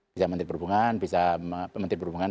bisa menteri perhubungan